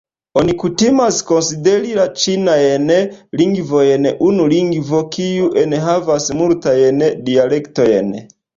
Oni kutimas konsideri la ĉinajn lingvojn unu lingvo, kiu enhavas multajn dialektojn.